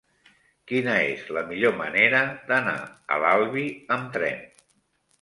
Quina és la millor manera d'anar a l'Albi amb tren?